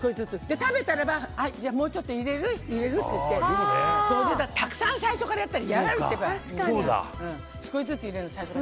食べたらばもうちょっと入れる？って言ってたくさん最初からやったら嫌がるから少しずつ入れる。